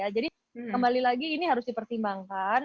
jadi kembali lagi ini harus dipertimbangkan